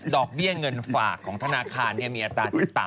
เบี้ยเงินฝากของธนาคารมีอัตราที่ต่ำ